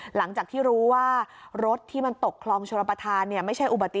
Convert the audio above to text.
หลังจากที่รู้ว่ารถที่มันตกคลองชลประธานไม่ใช่อุบัติเหตุ